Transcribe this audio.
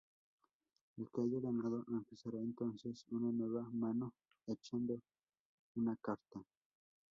El que haya ganado empezará entonces una nueva mano echando una carta.